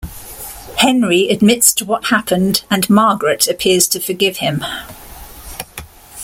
Henry admits to what happened, and Margaret appears to forgive him.